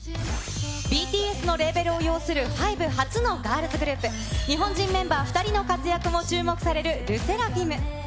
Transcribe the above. ＢＴＳのレーベルを擁するハイブ初のガールズグループ、日本人メンバー２人の活躍も注目されるＬＥＳＳＥＲＡＦＩＭ。